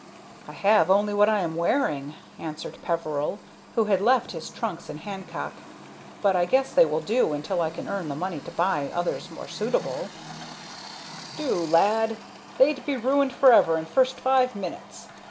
"I have only what I am wearing," answered Peveril, who had left his trunks in Hancock, "but I guess they will do until I can earn the money to buy others more suitable." [Illustration: PEVERIL GOES TO WORK] "Do, lad! They'd be ruined forever in first five minutes.